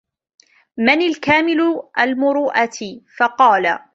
مَنْ الْكَامِلُ الْمُرُوءَةِ ؟ فَقَالَ